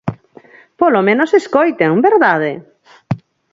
Polo menos escoiten, ¿verdade?